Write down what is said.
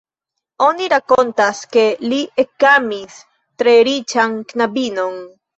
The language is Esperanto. Oni rakontas, ke li ekamis tre riĉan knabinon.